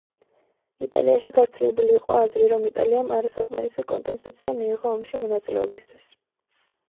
იტალიაში გავრცელებული იყო აზრი, რომ იტალიამ არასაკმარისი კომპენსაცია მიიღო ომში მონაწილეობისთვის.